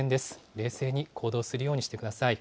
冷静に行動するようにしてください。